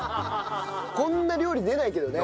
こんな料理出ないけどね。